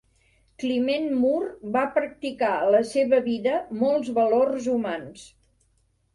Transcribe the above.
Climent Mur va practicar a la seva vida molts valors humans.